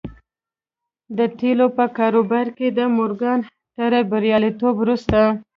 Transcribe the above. د تيلو په کاروبار کې د مورګان تر برياليتوب وروسته.